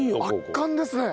圧巻ですね。